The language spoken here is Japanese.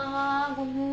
ごめん。